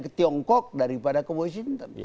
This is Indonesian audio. ke tiongkok daripada ke washington